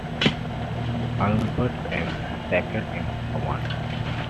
Albert M. Sackett in command.